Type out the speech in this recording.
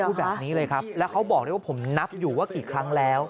พูดแบบนี้เลยครับแล้วเขาบอกได้ว่าผมนับอยู่ว่ากี่ครั้งแล้ว